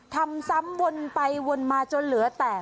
ทำซ้ำวนไปวนมาจนเหลือแต่